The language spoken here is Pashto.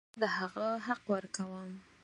هر یوه ته د هغه حق ورکوم.